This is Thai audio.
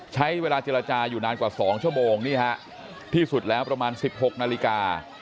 ใช้เวลาเจรจาอยู่นานกว่า๒ชั่วโมงนี่ฮะที่สุดแล้วประมาณ๑๖นาฬิกา